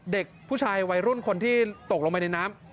เด็กผู้ชายวัยรุ่นคนที่ตกลงไปในน้ำ